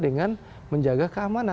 dengan menjaga keamanan